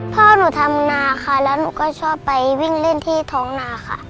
พ่อหนูทำนาค่ะแล้วหนูก็ชอบไปวิ่งเล่นที่ท้องนาค่ะ